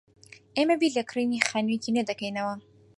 ئێمە بیر لە کڕینی خانوویەکی نوێ دەکەینەوە.